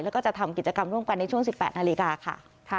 แล้วก็จะทำกิจกรรมร่วมกันในช่วง๑๘นาฬิกาค่ะ